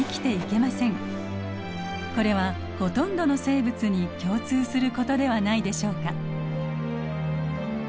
これはほとんどの生物に共通することではないでしょうか。